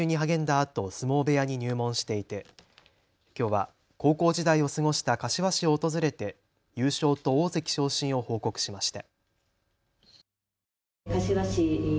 あと相撲部屋に入門していてきょうは高校時代を過ごした柏市を訪れて優勝と大関昇進を報告しました。